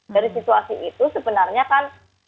dari situasi itu sebenarnya kan